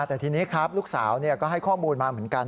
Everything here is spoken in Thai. แต่ทีนี้ครับลูกสาวก็ให้ข้อมูลมาเหมือนกัน